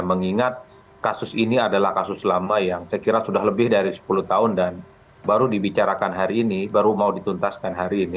mengingat kasus ini adalah kasus lama yang saya kira sudah lebih dari sepuluh tahun dan baru dibicarakan hari ini baru mau dituntaskan hari ini